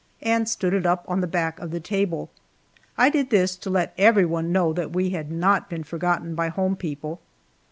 and stood it up on the back of the table. I did this to let everyone know that we had not been forgotten by home people.